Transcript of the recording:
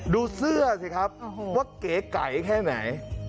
ดูเสื้อสิครับว่าเก๋ไก่แค่ไหน